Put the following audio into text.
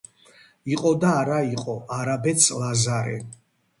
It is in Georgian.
იყო და არა იყო არაბეთს ლაზარე